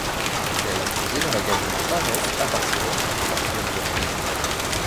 Il a exposé dans la galerie Parés à Barcelone à plusieurs reprises.